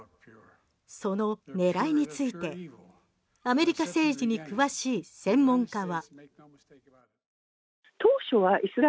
その狙いについてアメリカ政治に詳しい専門家は。